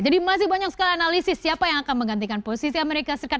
jadi masih banyak sekali analisis siapa yang akan menggantikan posisi amerika serikat